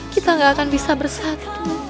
kita gak akan bisa bersatu